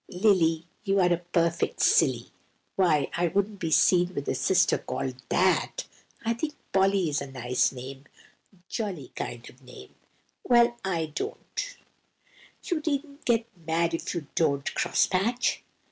"Lily, you are a perfect silly! Why, I wouldn't be seen with a sister called that! I think Polly is a nice, jolly kind of name." "Well, I don't." "You needn't get mad if you don't. Cross patch!"